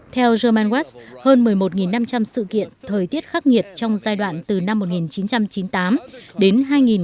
theo german west hơn một mươi một năm trăm linh sự kiện thời tiết khắc nghiệt trong giai đoạn từ năm một nghìn chín trăm chín mươi tám đến hai nghìn một mươi tám